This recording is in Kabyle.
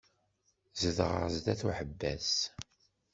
Zedɣeɣ sdat uḥebbas.